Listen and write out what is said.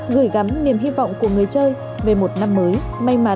gửi gắm niềm hy vọng của người chơi về một năm mới may mắn